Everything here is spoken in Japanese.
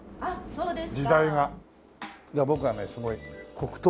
そうですか。